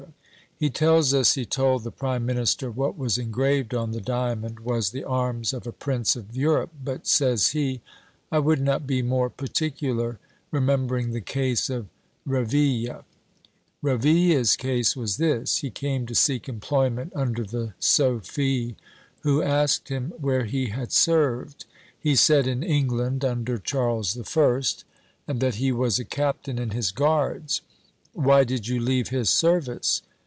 He tells us he told the prime minister what was engraved on the diamond was the arms of a prince of Europe, but, says he, I would not be more particular, remembering the case of Reville. Reville's case was this: he came to seek employment under the Sophy, who asked him 'where he had served?' He said 'in England under Charles the First, and that he was a captain in his guards.' 'Why did you leave his service?'